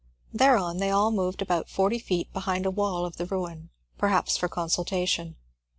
Thereon they all moved off about forty feet behind a wall of the ruin perhaps for consultation.